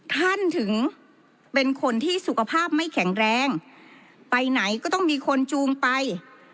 ท่านถึงเป็นคนที่สุขภาพไม่แข็งแรงไปไหนก็ต้องมีคนจูงไป